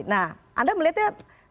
nah anda melihatnya tidak ada korelasi